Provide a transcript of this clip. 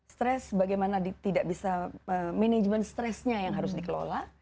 stres bagaimana tidak bisa manajemen stresnya yang harus dikelola